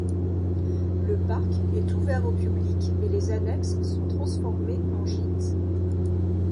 Le parc est ouvert au public, et les annexes sont transformées en gîte.